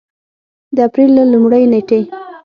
د اپرېل له لومړۍ نېټې